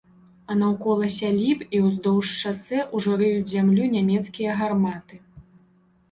А наўкола сяліб і ўздоўж шасэ ўжо рыюць зямлю нямецкія гарматы.